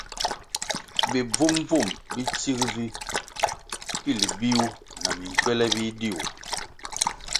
Bi bvum-bvum bi tsig vi pil biwuh na minkywele biduih.